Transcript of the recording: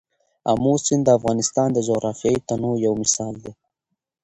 آمو سیند د افغانستان د جغرافیوي تنوع یو مثال دی.